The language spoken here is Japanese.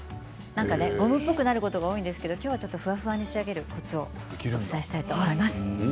ゴムっぽくなることが多いんですがきょうはふわふわになるコツをお教えしたいと思います。